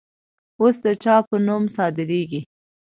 اوس د چا په نوم صادریږي؟